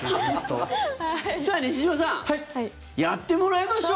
さあ、西島さんやってもらいましょう！